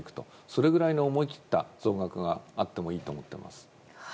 それぐらいの思い切った増額があってもいいと思ってます。